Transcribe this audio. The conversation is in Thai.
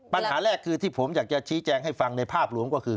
ปัญหาแรกคือที่ผมอยากจะชี้แจงให้ฟังในภาพรวมก็คือ